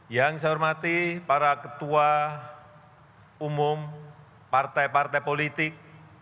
yang saya hormati para ketua umum partai partai politik